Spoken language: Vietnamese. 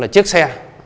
là chiếc xe